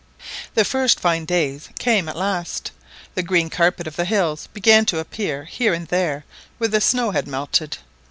The first fine days came at last. The green carpet of the hills began to appear here and there where the snow had melted.